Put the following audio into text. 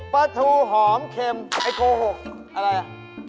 ปาถูหอมเข็มไอ้โกหกอะไร